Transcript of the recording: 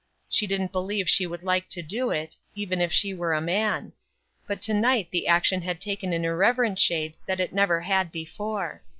She didn't believe she would like to do it, even if she were a man. But to night the action had taken an irreverent shade that it never had before.